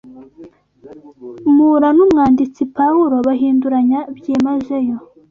Mura n'umwanditsi Pawulo bahinduranya byimazeyo